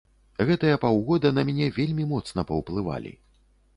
Гэтыя паўгода на мяне вельмі моцна паўплывалі.